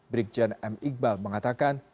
brigjen m iqbal mengatakan